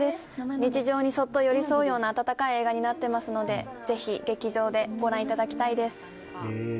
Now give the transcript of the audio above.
日常にそっと寄り添うような温かい映画になってますので、ぜひ劇場でご覧いただきたいです。